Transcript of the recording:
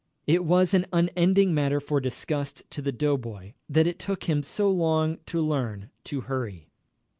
It was an unending matter for disgust to the doughboy that it took him so long to learn to hurry.